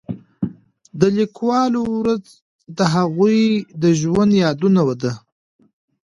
د لیکوالو ورځ د هغوی د ژوند یادونه ده.